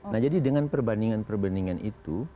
nah jadi dengan perbandingan perbandingan itu